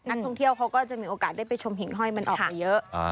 นักท่องเที่ยวเขาก็จะมีโอกาสได้ไปชมหิ่งห้อยมันออกมาเยอะ